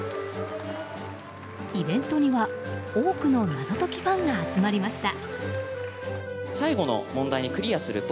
イベントには多くの謎解きファンが集まりました。